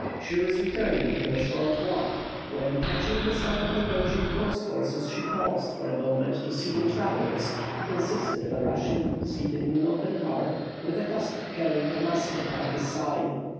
She was returning from a short walk, when catching the sound of approaching post horses, she paused for a moment to see the travellers, who consisted of a Russian seated in an open car, with a Cossack carrying a musket by his side.